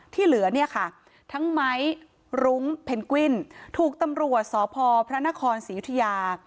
เหลือเนี่ยค่ะทั้งไม้รุ้งเพนกวินถูกตำรวจสพพระนครศรียุธยา